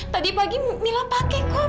tadi pagi mila pake kok